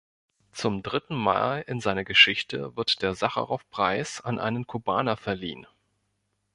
Zum dritten Mal in seiner Geschichte wird der Sacharow-Preis an einen Kubaner verliehen.